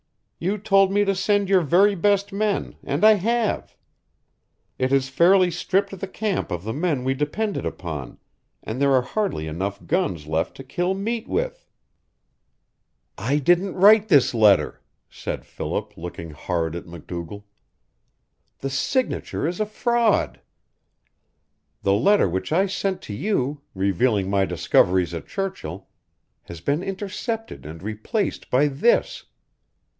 You told me to send your very best men, and I have. It has fairly stripped the camp of the men we depended upon, and there are hardly enough guns left to kill meat with." "I didn't write this letter," said Philip, looking hard at MacDougall. "The signature is a fraud. The letter which I sent to you, revealing my discoveries at Churchill, has been intercepted and replaced by this.